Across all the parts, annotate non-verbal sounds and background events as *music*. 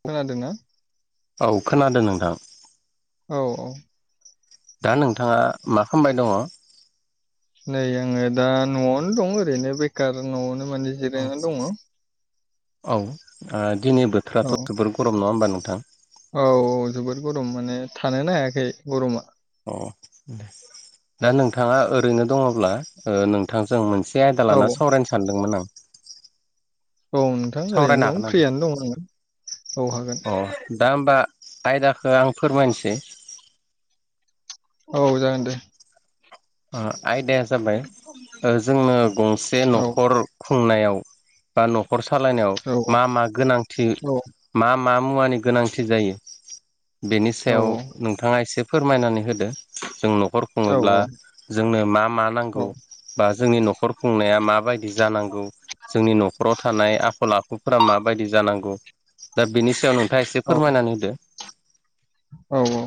खोनादोंना औ खोनादों नोंथां। औ-औ दा नोंथाङा मा खालामबाय दङ? नै आङो दा न'आवनो दं ओरैनो बेखार न'आवनो माने जिरायनानै दङ। औ दिनै बोथोराथ' जोबोर गरम नङा होमबा नोंथां। औ-औ जबोर गरम माने थानोनो हायाखै गरमा अ दे दा नोंथाङा ओरैनो दङब्ला ओ नोंथांजों मोनसे से आयदा औ लाना सावरायनो सानदोंमोन आं औ नोंथां ओरैनो सावरायनो दं हागोन नोंथां? फ्रियानो दं आङो औ हागोन। बा आयदाखौ आं फोरमायनोसै औ जागोन दे ओ आयदाया जाबाय ओ जोंनो गंसे औ न'खर खुंनायाव बा न'खर सालायनायाव औ मा मा गोनांथि औ मा मा मुवानि गोनांथि जायो बेनि औ सायाव नोंथाङा एसे फोरमायनानै होदो जों न'खर औ खुङोब्ला जोंनो मा मा औ नांगौ बा जोंनि न'खर खुंनाया माबायदि जानांगौ जोंनि न'खराव थानाय आखल आखु फोरा माबायदि जानांगौ दा बिनि सायाव नोंथाङा एसे फोरमायनानै होदो। औ औ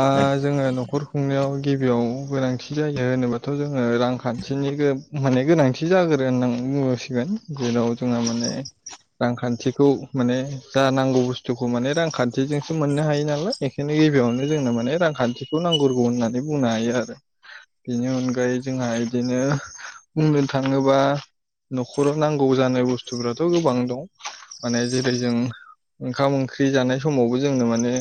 आ होदो जोङो न'खर खुंनायाव गिबियाव गोनांथि जायो होनोबाथ' जोङो रांखान्थिनि माने गोनांथि जागोरो होननानै बुंबोसिगोन जेराव जोंहा माने रांखान्थिखौ माने जा नांगौ बुस्थुखौ माने रांखान थिजोंसो मोननो हायो नालाय बेखायनो गिबियावनो जोंनो माने रांखान्थिखौ नांगोरगौ होननानै बुंनो हायो आरो। बेनि अनगायै जोंहा इदिनो बुंनो थाङोबा न'खराव नांगौ जानाय बुस्थुफ्राथ' गोबां दं माने जेरै जों ओंखाम ओंख्रि जानाय स समावबो जोंनो माने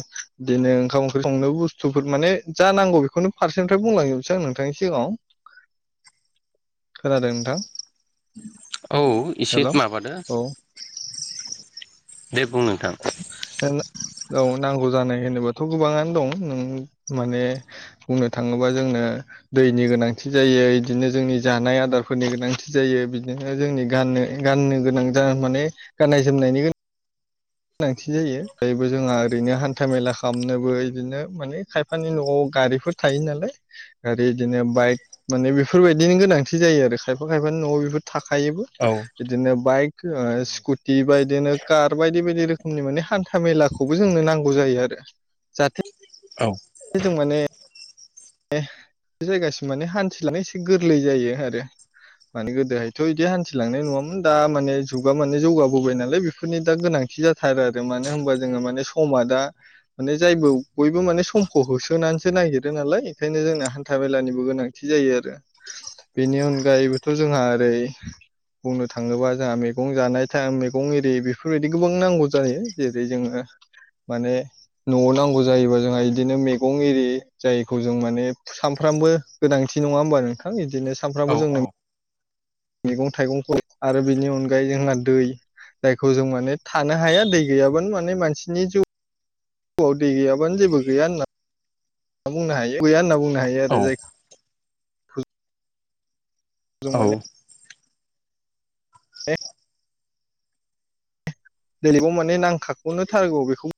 बिदिनो ओंखाम ओंख्रि संनो बुस्थुफोर माने जा नांगौ बेखौनो फारसेनिफ्राय बुंलां जोबसै आं नोंथांनि सिगाङाव। *inaudible* खोनादों नोंथां? औ एसे हेल' माबादो। औ दे बुं नोंथां। औ नांगौ जानाय होनोबाथ' गोबाङानो दं नों माने बुंनो थाङोबा जोंनो दैनि गोनांथि जायो इदिनो जोंनि जानाय आदारफोरनि गोनांथि जायो बिदिनो जोंनि गाननो गाननो गोनां जा माने गाननाय जोमनायनि गोनांथि जायो मायबो जोंहा ओरैनो हान्था मेला खालामनोबो इदिनो माने खायफानि न'आव गारिफोर थायो नालाय आरो बिदिनो बाइक माने बेफोरबायदिनि गोनांथि जायो आरो खायफा खायफा न' बेफोर थाखायोबो औ बिदिनो बाइक ओ औ स्कुटि बा बिदिनो कार बाय बायदि बायदि रोखोमनि माने हान्था मेलाखौबो जोंनो नांगौ जायो आरो जाहाथे औ जों माने ए बे जायगासिम माने हान्थिलानो एसे गोरलै जायो आरो। माने गोदोहायथ' इदि हान्थिलांनाय नङामोन दा औ माने जुगा माने जौगाबोबाय नालाय बेफोरनि दा गोनांथि जाथारो आरो मानो होनबा जोङो माने समा दा माने जायबो बयबो माने समखौ होसोनानैसो नागिरो नालाय। ओंखायनो जोंना हान्था मेलानिबो गोनांथि जायो आरो बेनि अनगायैबोथ' जोंहा ओरै बुंनो थाङोबा जोंहा मैगं जानाय टाइम मैगं एरि बेफोरबायदि गोबां नांगौ जायो जेरै जोङो माने न'आव नांगौ जायोबा जोंहा इदिनो मैगं एरि जायखौ जों माने सानफ्रामबो गोनांथि नङा होमबा नोंथां बिदिनो सानफ्रामबो जोंनो औ मैगं थाइगंफोर आरो बेनि अनगायै जोंना दै जायखौ जों माने थानो हाया दै गैयाबानो माने मानसिनि जिउ आव दै गैयाबानो जेबो गैया होनना बुंनो हायो गैया होनना बुं नो‌ हायोइ आरो औ जाय औ दैलि लाइबआव माने नांखाखौनोथारगौ बेखौ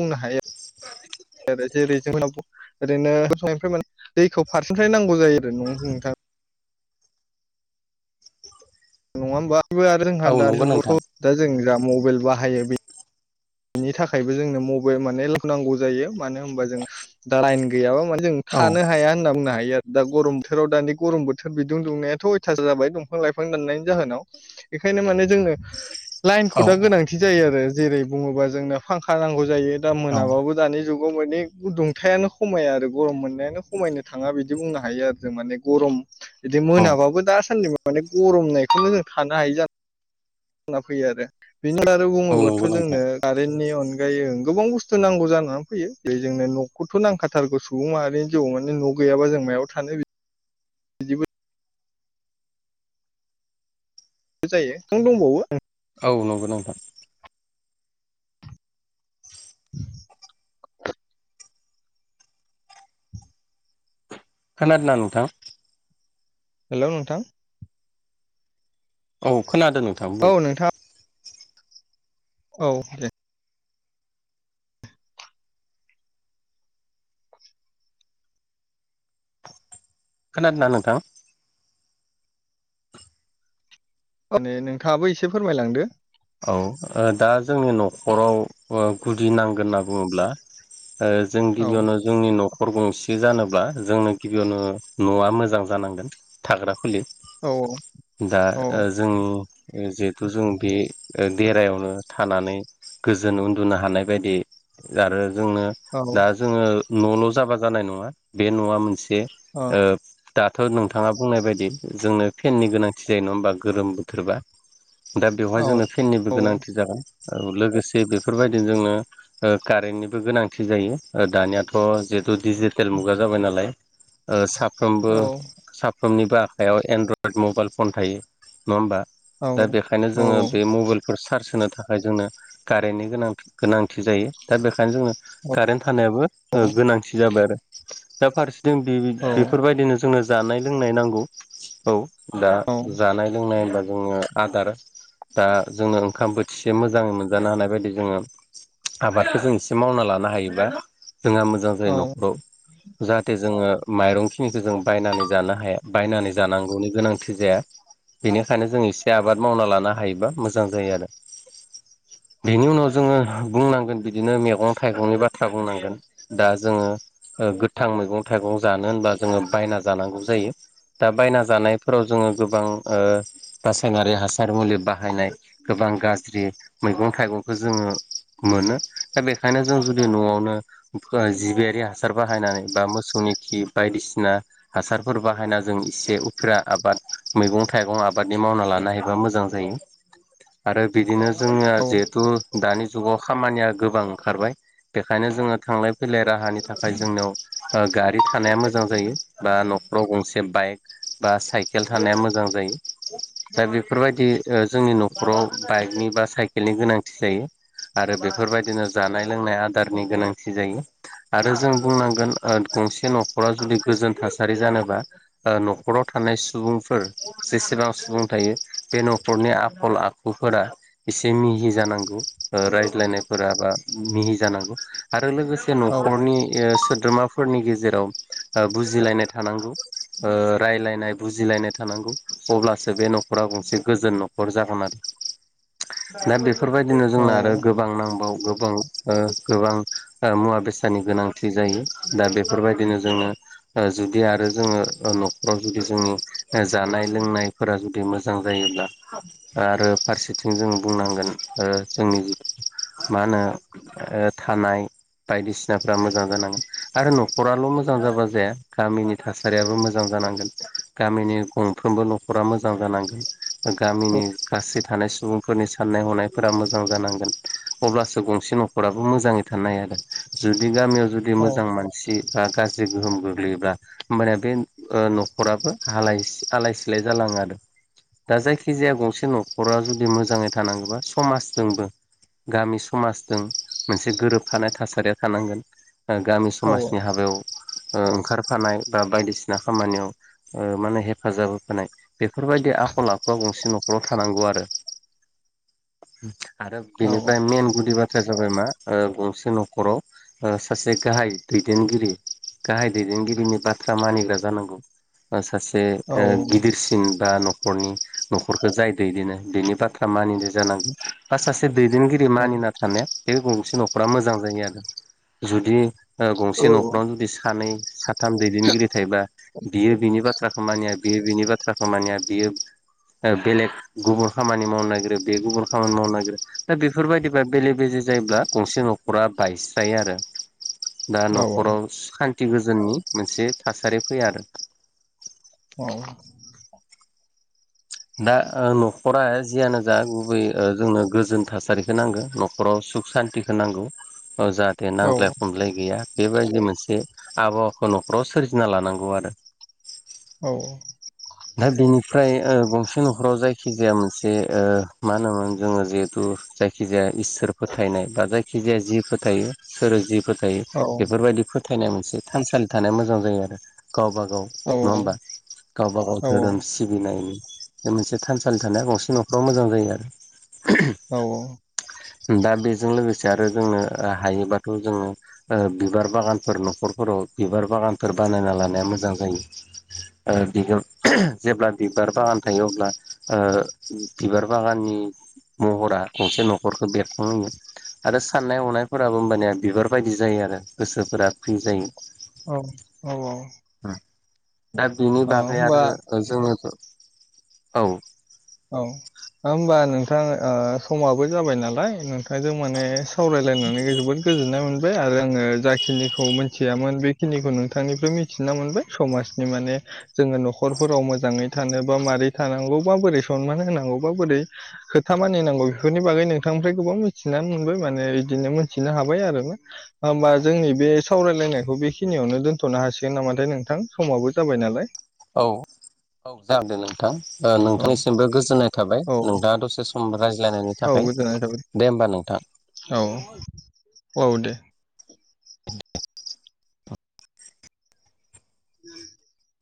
बुंनो हायो। जेरै जोंन ओरैनो संनायनिफ्राय बे दैखौ फारसेनिफ्राय नांगौ जायो आरो न'आव नोंथां। *inaudible* नङा होनबाबो आरो जोंहा औ दानि नंगौ नोंथां जुगावथ दा जों जा मबाइल बाहायो बे बिनि थाखायबो जोंनो मबाइ माने लुनांगौ जायो मानो होनबा जों दा लाइन गैयाबा माने जों औ थानो हाया होनना बुंनो हायो आरो। दा गरम बोथोराव दानि गरम बोथोर बिदुं दुंनायाथ' अयथासार जाबाय दंफां लाइफां दाननायनि जाहोनाव ओंखायनो माने जोंनो औ लाइनखौ दा गोनांथि जायो आरो जेरै बुङोबा जोंनो फांखा नांगौ जायो दा औ मोनाबाबो दानि जुग गाव‌ माने गुदुंथायानो खमाया आरो गरम मोननायानो खमायनो बिदि औ मोनाबाबो दा सान्दि माने गरमनायखौनो जों थानो हायो जाना फैयो आरो बिनि बारै औ बुङोबाथ' नंगौ नोंथां जोंनो कारेन्टनि अन गायै गोबां बुस्थु नांगौ जानानै फैयो जे जोंनो न'खौथ' नांखाथारगौ सुबुं माहारिनि जिउआव माने न' गैयाबा जों मायाव थानो बिदिबो जायो नों दंबावो औ नंगौ नोंथां खोनादोंना नोथां हेलौ नोंथां औ खोनादों नोंथां बुं औ नोंथां औ दे। खोनादोंना नोंथां? माने नोंथाङाबो एसे फोरमायलांदो। औ दा जोंनि न'खराव गुदि नांगोन होनना बुङोब्ला जों औ गिबियावनो जोंनि न'खर खर गंसे जानोब्ला जोंनो गिबियावनो न'आ मोजां जानांगोन थाग्रा खुलि औ दा औ जों जिहेथु जों बे देरायावनो थानानै गोजोन उन्दुनो हानाय बायदि आरो जोंनो औ दा जोङो न'ल' जाबा जानाय नङा बे न'आ मोनसे औ ओ दाथ' नोंथाङा बुंनाय बायदि जोंनो फेननि गोनांथि जायो नङा होमबा गोरोम बोथोरबा। दा औ बेवहाय जोंनो फेननिबो औ गोनांथि जागोन। लोगोसे बेफोरबायदिनो जोंनो कारेन्टनिबो गोनांथि जायो दानियाथ' जे डिजिटेल मुगा जाबाय नालाय साफ्रोमबो सा समनिबो आखायाव एन्ड्रइड मबाइल फन थायो नङा होमबा। औ दा बेखायनो औ जोङो औ बे मबाइलफोर चार्ज होनो थाखाय जोंनो कारेन्टनि गोनां गोनांथि जायो दा बेखायनो जोङो कारेन्ट खानायाबो गोनांथि जाबाय आरो दा फारसेथिं औ बेफोरबायदिनो जोङो जानाय लोंनाय नांगौ औ दा औ जानाय लोंनाय होनबा जोङो आदार दा जोंनो ओंखाम बोथिसे मोजाङै मोनजानो हानाय बायदि जोङो आबादखौ जों एसे मावना लानो हायोबा जोंहा मोजां औ जायो न'खराव जाहाथे जोङो माइरंखिनिखौ जों बायनानै जानो हाया बायनानै जानांगौनि गोनांथि जाया। बेनिखायनो जों एसे आबाद मावना लानो हायोब्ला मोजां जायो आरो बेनि उनाव जोङो बुंनांगोन बिदिनो मैगं थाइगंनि बाथ्रा बुंनांगोन दा जोङो गोथां मैगं थाइगं जानो होनब्ला जोङो बायना जानांगौ जायो दा बायना जानायफोराव जोङो गोबां रासायनारि हासार मुलि बाहायनाय गोबां गाज्रि मैगं थाइगंखौ जोङो मोनो दा बेखायनो जों जुदि न'आवनो जिबियारि हासार बाहायनानै बा मोसौनि बायदिसिना हासारफोर बाहायना जों इसे फोरा आबाद मैगं थाइगं आबादनि मावना लानो हायोबा मोजां जायो। आरो बिदिनो जोङो औ जिहेथु दानि जुगाव खामानिया गोबां ओंखारबाय। बेखायनो जोङो थांलाय फैलाय राहानि थाखाय जोंनियाव ओ गारि थानाया मोजां जायो बा न'ख राव गंसे बाइक बा साइकेल थानाया मोजां जायो आमफाय बेफोरबायदि ओ जोंनि न'खराव बाइकनि बा साइकेलनि गोनांथि जायो। आरो बेफोरबायदिनो जानाय लोंनाय आदारनि गोनांथि जायो आरो जों बुंनांगोन ओ गंसे न'खराव जुदि गोजोन थासारि जानोबा ओ न'खराव थानाय सुबुंफोर जेसेब बां सुबुं थायो। बे न' खरनि आखल आखुफोरा एसे मिहि जानांगौ ओ रायज्लायनायफोरा बा मि हि जानांगौ आरो लोगोसे औ न'खरनि ओ सोद्रोमाफोरनि गेजेराव ओ बुजिलायनाय थानांगौ ओ रायलायनाय बुजिलायनाय थानांगौ अब्लासो बे न'खरा गंसे गोजोन न'खर जागोन आरो दा बे फोरबायदिनो जोंना औ औ आरो गोबां नांबाव गोबां ओ गोबां ओ मुवा बेसादनि गोनांथि जायो दा बेफोरबायदिनो जोंनो ओ जुदि आरो जोङो न'खराव जुदि जोंनि जानाय लोंनायफोरा जुदि मोजां जायोब्ला आरो फारसेथिं जोङो बुंनांगोन ओ जोंनि जिु मा होनो ओ थानाय बायदिसिनाफ्रा मोजां जानांगोन आरो न'खराल' मोजां जाबा जाया गामिनि थासारियाबो मोजां जा जानांगोन गामिनि गंफ्रोमबो न'खरा मोजां जानांगोन। गामिनि गासै थानाय सुबुंफोरनि साननाय हनायफोरा मोजां जानांगोन। अब्लासो गंसे न'खराबो मोजाङै थानो हायो जुदि गामियाव जुदि मोजां मानसि बा गा बे गोहोम गोग्लैयोब्ला होमबानिया बे ओ न'खराबो‌ आलाय आलाय सिलाय जालाङो आरो। दा जायखिजाया गंसे न'खरा जुदि मोजाङै थानांगौबा समाजजोंबो गामि समाजजों मोनसे गोरोबफानाय थासारिया थानांगोन। गामि समाजनि हाबायाव ओ ओंखारफानाय बा बायदिसिना खामानियाव ओ माने हेफाजाब होफानाय बेफोरबायदि आखल आखु खुआ गंसे न'खराव थानांगौ आरो। आरो बेनिफ्राय मेन गुदि बा बाथ्राया जाबाय मा ओ गंसे न'खराव सासे गाहाय दैदेनगिरि गाहाय दैदेनगिरिनि बाथ्रा मानिग्रा जानांगौ। सासे औ बे ओ गिदिरसिन बा न'खरनि न'खरखौ जाय दैदिनो बेनि बाथ्रा मानिनाय जानांगौ बा सासे दैदेनगिरि मानिना थानाया बे गंसे न'खरा मोजां जायो आरो जुदि ओ गंसे न'खरावनो जुदि सानै साथाम दैदेनगिरि थायोबा बियो बिनि बाथ्रा खौ मानिया बियो बिनि बाथ्राखौ खामानिया बियो ओ बेलेग गुबुन खामानि मावनो नागिरो बे गुबुन खामानि मावनो नागिरो दा बेफोरबायदिबा बेले बे जे जायोब्ला गंसे न'खरा बायस्रायो आरो। दा औ न'खराव सान्थि गोजोननि मोनसे थासारि फैया आरो। औ दा ओ न'खरा जियानो जा गुबै ओ जोंनो गोजोन थासारिखौ नांगो न'खराव सुख सान्थिखौ नांगौ ओ जाहाथे नांज्लाय खमज्लाय गैया। बेबायदि मोनसे आबहावाखौ न'खराव सोरजिना लानांगौ आरो। औ। दा बेनिफ्राय ओ गंसे न'खराव जायखि जाया मोनसे ओ मा होनोमोन जोङो जिहेथु जायखिजाया इसोर फोथायनाय बा जायखिजाया जि फोथायो सोर जि फोथायो बेफोरबायदि फो थायनाय मोनसे थानसालि थानाया मोजां जायो आरो गावबाागाव नङा होमबा? गावबा गाव धोरोम सिबिनायनि बे मोनसे थानसालि थानाया गंसे न'खराव मोजां जायो आरो। औ औ। दा बेजों लोगोसे आरो जोंनो हायोबाथ' जोङो बिबार बागानफोर न'खरफोराव बिबार बागानफोर बानायना लानाया मोजां जायो। ओ बिगोम जेब्ला बिबार बागान थायो अब्ला ओ बिबार बागाननि महरा गंसे न'खरखौ बेरखांहोयो आरो साननाय हनायफोराबो होमबानिया बिबार बायदि जायो आरो गोसोफोरा फ्रि जायो। औ औ औ दा बिनि बागै आरो ओजोङो' औ औ होमबा नोंथां ओ समाबो जाबाय नालाय नोंथांजों माने सावरायलायनानै जोबोद गोजोननाय मोन बाय आरो आङो जाखिनिखौ मोनथियामोन बेखिनिखौ नोंथांनिफ्राय मिथिना मोनबाय समाजनि माने जोङो न'खरफोराव मोजाङै थानोबा मारै थानांगौ बा बोरै सनमान होनांगौ बा बोरै खोथा मानिनांगौ बेफोरनि बागै नोंथांनिफ्राय गोबां मिथिनानै मोनबाय माने दिनो मोनथिनो हाबाय आरोबाव होमबा जोंनि बे सावरायलायनायखौ बेखिनियावनो दोनथ'नो हासिगोन नामा? नाथाय नोंथां समाबो जाबाय नालाय। औ औ जागोनदे नोंथां ओ औ नोंथांनिसिमबो गोजोननाय थाबाय औ नोंथाङा दसे सम रायज लायनायनि औ थाखाय गोजोननाय थाबाय दे होमबा नोंथां औ औ दे *inaudible*